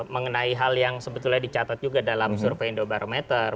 mengenai hal yang sebetulnya dicatat juga dalam survei indobarometer